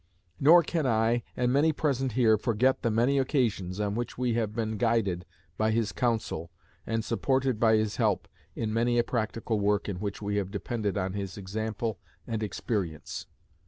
Nor can I, and many present here, forget the many occasions on which we have been guided by his counsel and supported by his help in many a practical work in which we have depended on his example and experience.